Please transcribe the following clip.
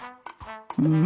うん！？